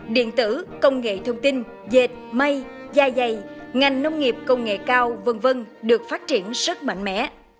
điện tử công nghệ thông tin dệt mây da dày ngành nông nghiệp công nghệ cao v v được phát triển rất mạnh mẽ